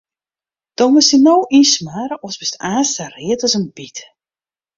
Do moatst dy no ynsmarre, oars bist aanst sa read as in byt.